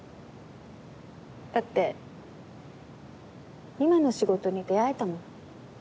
だって今の仕事に出合えたもん。